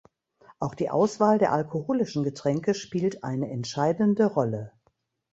Auch die Auswahl der alkoholischen Getränke spielt eine entscheidende Rolle.